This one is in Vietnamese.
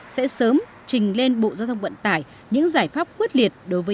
sẽ sớm trình lên bộ giao thông vận tải những giải pháp quyết liệt